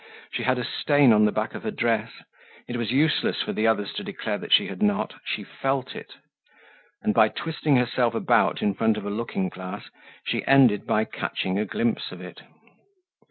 She had a stain on the back of her dress; it was useless for the others to declare that she had not—she felt it. And, by twisting herself about in front of a looking glass, she ended by catching a glimpse of it.